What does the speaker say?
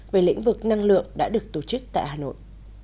về lĩnh vực năng lượng đã được tổ chức tại hà nội